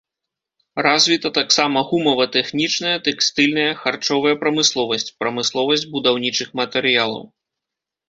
Развіта таксама гумава-тэхнічная, тэкстыльная, харчовая прамысловасць, прамысловасць будаўнічых матэрыялаў.